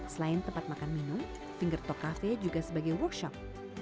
selain tempat makan minum fingertok cafe juga sebagai workshop